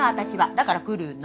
だから来るの。